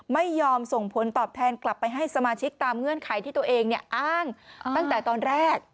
ไม่ยอมส่งผลตอบแทนกลับไปให้สมาชิกตามเงื่อนไขที่ตัวเองอ้างตั้งแต่ตอนแรก